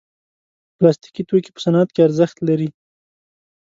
پلاستيکي توکي په صنعت کې ارزښت لري.